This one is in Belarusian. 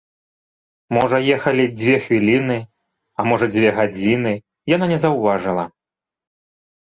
Можа, ехалі дзве хвіліны, а можа, дзве гадзіны, яна не заўважыла.